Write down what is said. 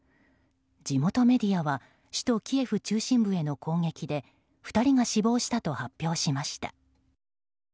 地元メディアは首都キエフ中心部への攻撃で２人が死亡したと発表しました。